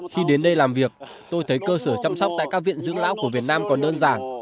khi đến đây làm việc tôi thấy cơ sở chăm sóc tại các viện dưỡng lão của việt nam còn đơn giản